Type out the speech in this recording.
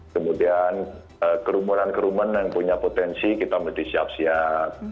kemudian kerumunan kerumunan yang punya potensi kita mesti siap siap